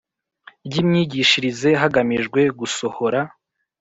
Ry imyigishirize hagamijwe gusohora